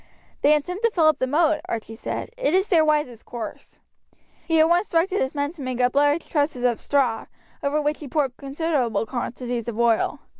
"They intend to fill up the moat," Archie said; "it is their wisest course." He at once directed his men to make up large trusses of straw, over which he poured considerable quantities of oil.